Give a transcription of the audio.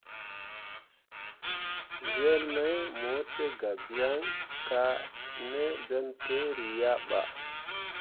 Wel mai mo tə ga byaŋ ka ne bentǝǝri ya ɓa.